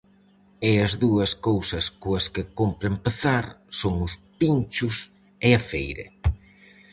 E as dúas cousas coas que cómpre empezar, son os pinchos e a feira.